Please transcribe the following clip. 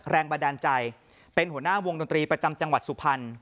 แรงบันดาลใจเป็นหัวหน้าวงดนตรีประจำจังหวัดสุพรรณ